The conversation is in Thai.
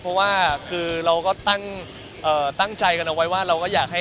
เพราะว่าคือเราก็ตั้งใจกันเอาไว้ว่าเราก็อยากให้